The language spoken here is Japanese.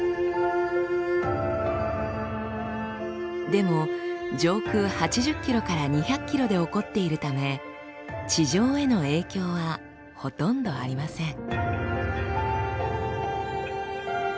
でも上空８０ｋｍから２００ｋｍで起こっているため地上への影響はほとんどありません。